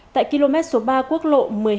tại km số ba quốc lộ một mươi hai